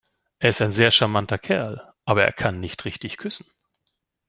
Er ist ein sehr charmanter Kerl, aber er kann nicht richtig küssen.